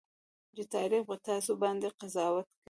چې تاريخ به تاسو باندې قضاوت کوي.